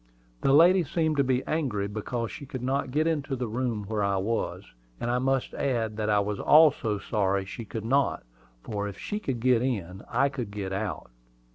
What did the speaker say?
The lady seemed to be angry because she could not get into the room where I was; and I must add that I was also sorry she could not, for if she could get in, I could get out.